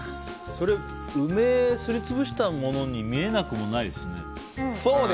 それ、梅をすり潰したものに見えなくもないですね。